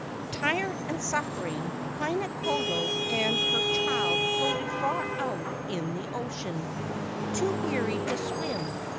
Tired and suffering, Haina kolo and her child floated far out in the ocean, too weary to swim.